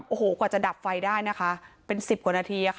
โอ้โหกว่าจะดับไฟได้นะคะเป็นสิบกว่านาทีค่ะ